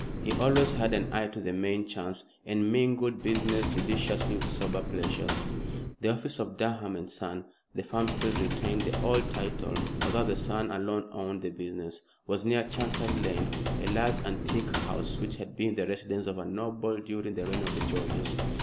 He always had an eye to the main chance, and mingled business judiciously with sober pleasures. The office of Durham & Son the firm still retained the old title although the son alone owned the business was near Chancery Lane, a large, antique house which had been the residence of a noble during the reign of the Georges.